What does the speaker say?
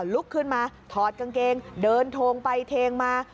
ลุกขึ้นมาถอดกางเกงเดินโทงไปเทงมา